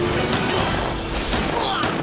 うわっ！